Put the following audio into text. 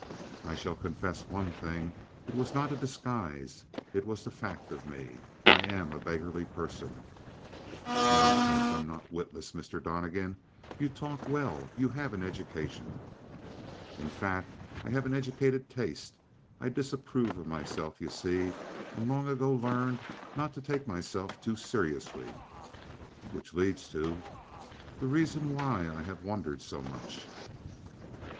"I shall confess one thing. It was not a disguise. It was the fact of me; I am a beggarly person." "Nonsense! I'm not witless, Mr. Donnegan. You talk well. You have an education." "In fact I have an educated taste; I disapprove of myself, you see, and long ago learned not to take myself too seriously." "Which leads to " "The reason why I have wandered so much."